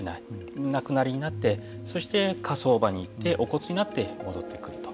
お亡くなりになってそして、火葬場に行ってお骨になって戻ってくると。